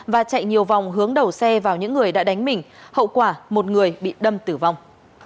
và chạy nhiều vòng hướng đầu xe vào những người đã đánh mình hậu quả một người bị đâm tử vong